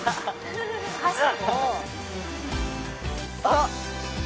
あっ！